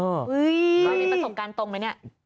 ระวังทรงการตรงไหมเนี้ย